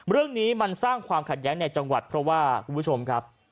เรื่องนี้มันสร้างความขัดแย้งในจังหวัดเพราะว่าคุณผู้ชมครับ